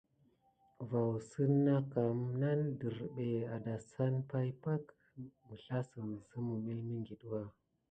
Vaoussən na kam nane dərɓé adassane pay pakə, məslassəm zəmə milmiŋɠitwa.